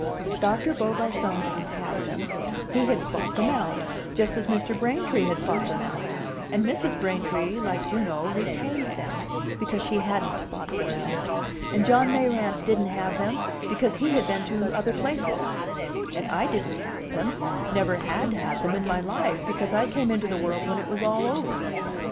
Doctor Beaugarcon didn't have them he had fought them out, just as Mr. Braintree had fought them out; and Mrs. Braintree, like Juno, retained them, because she hadn't fought them out; and John Mayrant didn't have them, because he had been to other places; and I didn't have them never had had them in my life, because I came into the world when it was all over.